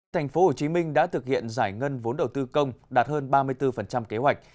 thành phố hồ chí minh đã thực hiện giải ngân vốn đầu tư công đạt hơn ba mươi bốn kế hoạch